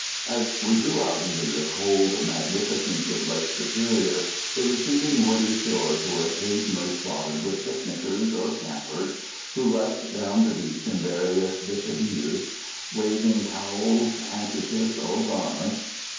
As we drew out into the cold magnificence of Lake Superior, the receding woody shores were occasionally spotted with picnickers or campers, who rushed down the beach in various deshabille, waving towels, handkerchiefs, or garments.